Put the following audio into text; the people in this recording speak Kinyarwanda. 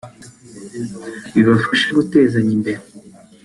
bibafashe gutezanya imbere